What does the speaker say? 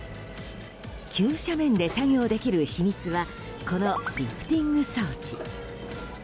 急斜面で作業できる秘密はこのリフティング装置。